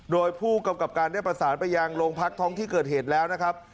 โดยผู้กำกับการได้ประสานไปยังโรงพักท้องที่เกิดเหตุแล้วนะครับ